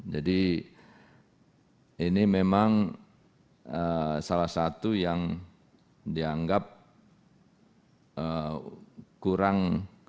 jadi ini memang salah satu yang dianggap kurang